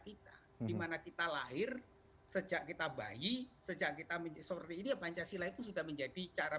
kita dimana kita lahir sejak kita bayi sejak kita menjadi seperti ini pancasila itu sudah menjadi cara